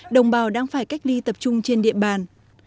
đồng bào đang phải cách ly tập trung trên địa bàn